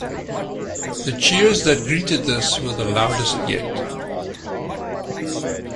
The cheers that greeted this were the loudest yet.